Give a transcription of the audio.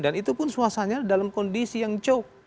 dan itu pun suasana dalam kondisi yang jauh